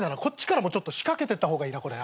こっちからもちょっと仕掛けてった方がいいな。